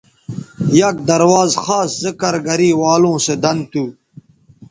یک درواز خاص ذکر گرےوالوں سو دن تھو